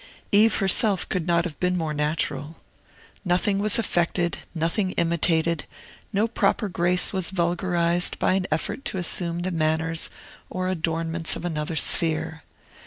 Eve herself could not have been more natural. Nothing was affected, nothing imitated; no proper grace was vulgarized by an effort to assume the manners or adornments of another sphere.